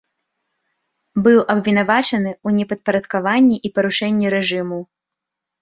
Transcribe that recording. Быў абвінавачаны ў непадпарадкаванні і парушэнні рэжыму.